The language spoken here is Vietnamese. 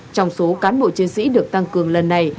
trong số cán bộ chiến sĩ được tăng cường lần này